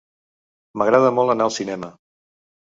M'agrada molt anar al cinema.